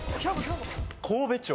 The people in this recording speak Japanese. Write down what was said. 神戸町。